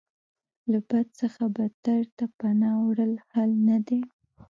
له بد څخه بدتر ته پناه وړل حل نه دی.